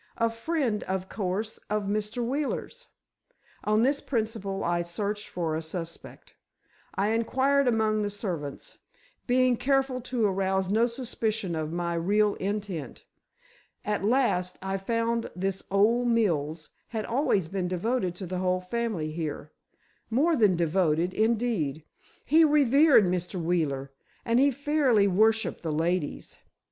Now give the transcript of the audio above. A friend, of course, of Mr. Wheeler's. On this principle I searched for a suspect. I inquired among the servants, being careful to arouse no suspicion of my real intent. At last, I found this old Mills had always been devoted to the whole family here. More than devoted, indeed. He revered Mr. Wheeler and he fairly worshipped the ladies.